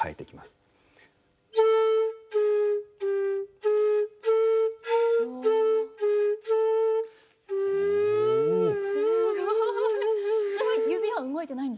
すごい。